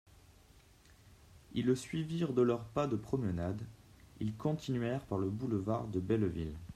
Ils le suivirent de leur pas de promenade, ils continuèrent par le boulevard de Belleville.